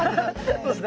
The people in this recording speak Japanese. そうすね。